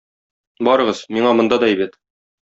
Барыгыз, миңа монда да әйбәт.